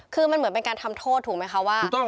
คือมันเหมือนเป็นการทำโทษถูกไหมคะว่า